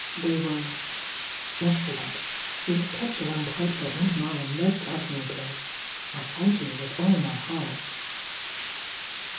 They were: "Excellent! You have kept your own counsel and mine, most admirably! I thank you with all my heart!"